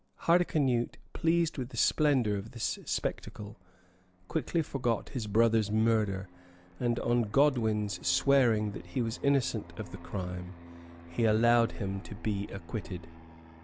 Hardicanute, pleased with the splendor of this spectacle, quickly forgot his brother's murder; and on Godwin's swearing that he was innocent of the crime, he allowed him to be acquitted.